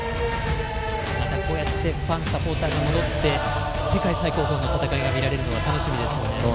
また、こうしてファン、サポーターが戻って世界最高峰の戦いが見られるのは楽しみですよね。